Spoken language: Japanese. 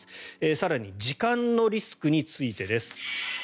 更に時間のリスクについてです。